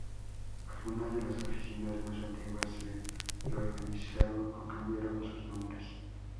Algunas de las oficinas más antiguas se reorganizaron o cambiaron sus nombres.